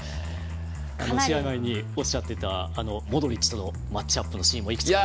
試合前におっしゃってたモドリッチとのマッチアップのシーンもいくつか。